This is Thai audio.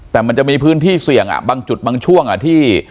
แต่มันจะมีพื้นที่เสี่ยงบางจุดบางช่วงที่